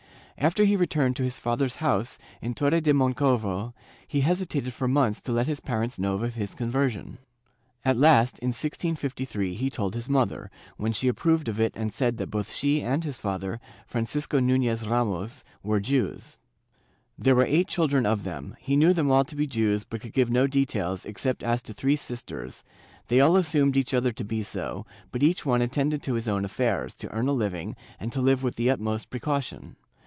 After he re turned to his father's house, in Torre de Moncorvo, he hesitated for months to let his parents know of his conversion, At last, in 1653, he told his mother, when she approved of it and said that both she and his father, Francisco Nunez Ramos, were Jews. There were eight children of them; he knew them all to be Jews but could give no details, except as to three sisters : they all assumed each other to be so, but each one attended to his own affairs, to earn a living, and to live with the utmost precaution.